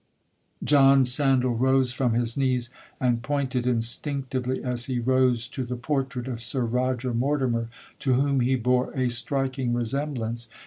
'John Sandal rose from his knees, and pointed instinctively as he rose to the portrait of Sir Roger Mortimer, to whom he bore a striking resemblance.